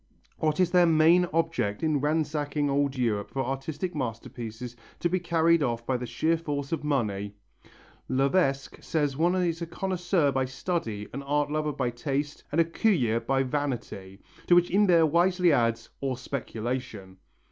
What is their main object in ransacking old Europe for artistic masterpieces to be carried off by the sheer force of money? Lovesque says one is a connoisseur by study, an art lover by taste, and a curieux by vanity, to which Imbert wisely adds: "or speculation."